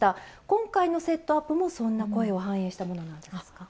今回のセットアップもそんな声を反映したものなんですか？